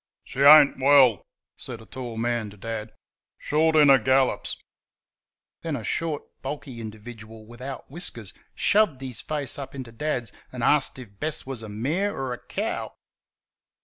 "She ain't well," said a tall man to Dad "short in her gallops." Then a short, bulky individual without whiskers shoved his face up into Dad's and asked him if Bess was a mare or a cow.